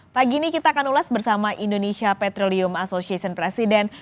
pagi ini kita akan ulas bersama indonesia petrolium association president